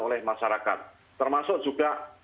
oleh masyarakat termasuk juga